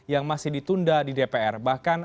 yang masih ditunda di dpr bahkan